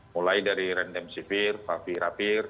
mulai dari random severe papirapir